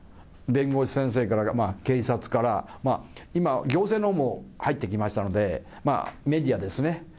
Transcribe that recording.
弁護士先生から、警察から、今、行政のほうも入ってきましたので、メディアですね。